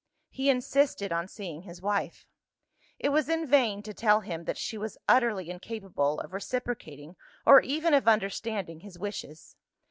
He insisted on seeing his wife. It was in vain to tell him that she was utterly incapable of reciprocating or even of understanding his wishes.